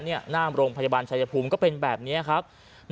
หน้าโรงพยาบาลชายภูมิก็เป็นแบบนี้ครับ